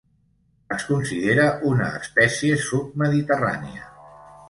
Es considera una espècie submediterrània.